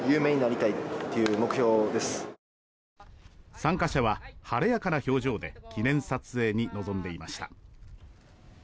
参加者は晴れやかな表情で記念撮影に臨んでいました。